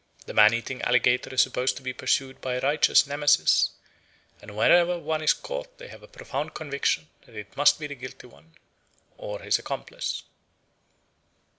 The man eating alligator is supposed to be pursued by a righteous Nemesis; and whenever one is caught they have a profound conviction that it must be the guilty one, or his accomplice."